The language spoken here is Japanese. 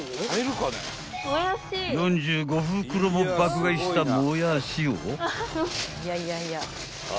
［４５袋も爆買いしたもやしを］